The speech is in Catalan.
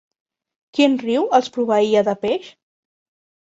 Quin riu els proveïa de peix?